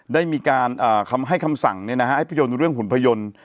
ได้มีการให้คำสั่งให้ภาพยนตร์เรื่องหุ่นพยนตร์